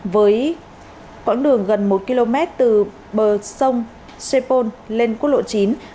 với quãng đường gần một km từ bờ sông sê pôn lên quốc lộ chín